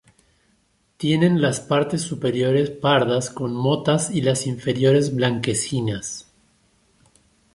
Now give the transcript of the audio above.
Tienen las partes superiores pardas con motas y las inferiores blanquecinas.